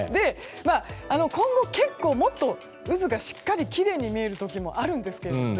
今後、結構もっと渦がしっかりきれいに見える時もあるんですけどね。